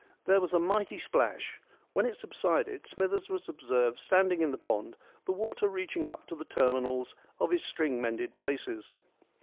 There was a mighty splash. When it subsided, Smithers was observed standing in the pond, the water reaching up to the terminals of his string mended braces.